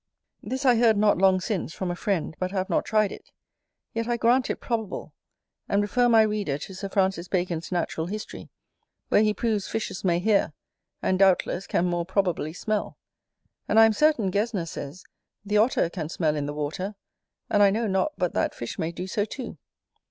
This I heard not long since from a friend, but have not tried it; yet I grant it probable, and refer my reader to Sir Francis Bacon's Natural history, where he proves fishes may hear, and, doubtless, can more probably smell: and I am certain Gesner says, the Otter can smell in the water; and I know not but that fish may do so too.